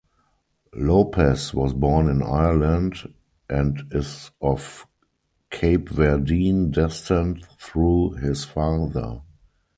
Lopes was born in Ireland and is of Cape Verdean descent through his father.